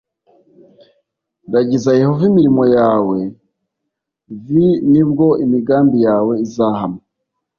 ragiza yehova imirimo yawe v ni bwo imigambi yawe izahama